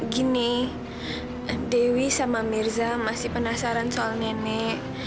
gini dewi sama mirza masih penasaran soal nenek